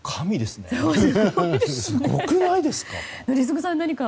すごくないですか？